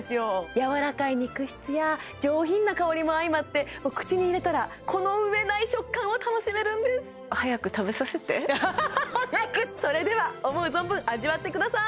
やわらかい肉質や上品な香りも相まってもう口に入れたらこの上ない食感を楽しめるんですでは思う存分味わってください